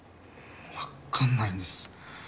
わっかんないんです。